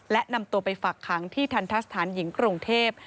และนำตัวไปฝากคังที่ธรรทัศนหญิงกรุงเทพ